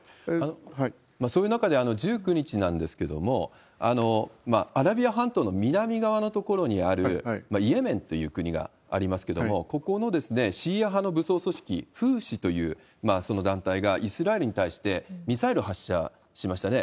そういう中で１９日なんですけれども、アラビア半島の南側の所にある、イエメンという国がありますけれども、ここのシーア派の武装組織フーシという団体が、イスラエルに対してミサイルを発射しましたね。